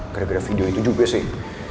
gara gara video itu juga sih